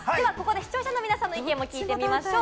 視聴者の皆さんの意見も聞いてみましょう。